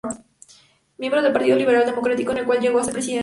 Miembro del Partido Liberal Democrático, del cual llegó a ser Presidente.